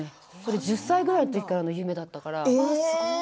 １０歳ぐらいからの夢だったから。